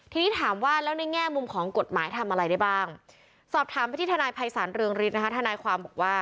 ทีนี้ถามว่าแล้วในแง่มุมของกฎหมายทำอะไรได้บ้างสอบถามไปที่ทนายภัยศาลเรืองฤทธินะคะทนายความบอกว่า